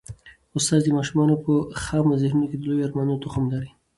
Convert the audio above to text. استاد د ماشومانو په خامو ذهنونو کي د لویو ارمانونو تخم کري.